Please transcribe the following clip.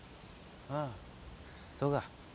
ああそうか。